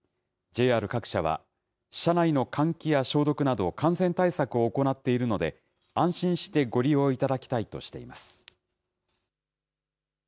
ＪＲ各社は、車内の換気や消毒など、感染対策を行っているので、安心してご利用いただきたいとしています。